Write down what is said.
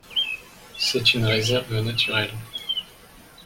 C'est une réserve naturelle.